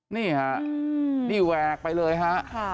นี่ฮะนี่แหวกไปเลยฮะ